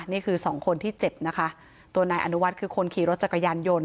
นี่คือสองคนที่เจ็บนะคะตัวนายอนุวัฒน์คือคนขี่รถจักรยานยนต์